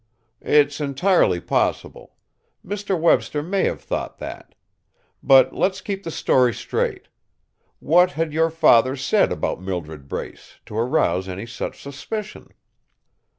"It's entirely possible; Mr. Webster may have thought that. But let's keep the story straight. What had your father said about Mildred Brace to arouse any such suspicion?"